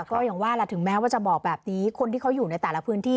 แต่ถึงแม้ว่าจะบอกแบบนี้คนที่เขาอยู่ในแต่ละพื้นที่